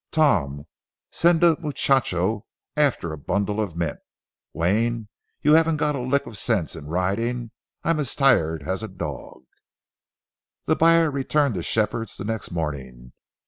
Tom, send a muchacho after a bundle of mint. Wayne, you haven't got a lick of sense in riding—I'm as tired as a dog." The buyer returned to Shepherd's the next morning.